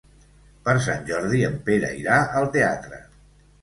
Per Sant Jordi en Pere irà al teatre.